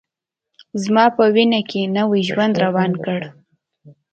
زما په وینوکې نوی ژوند روان کړ